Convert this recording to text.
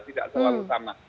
tidak selalu sama